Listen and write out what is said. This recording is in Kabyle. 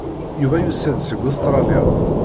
Yuba yusa-d seg Ustṛalya.